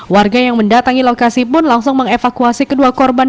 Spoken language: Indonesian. warga yang mendatangi lokasi pun langsung mengevakuasi kedua korban